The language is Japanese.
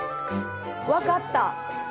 分かった。